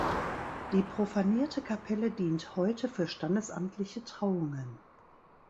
Die profanierte Kapelle dient heute für standesamtliche Trauungen.